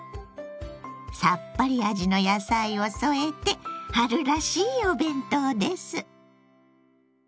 さっぱり味の野菜を添えて春らしいお弁当です。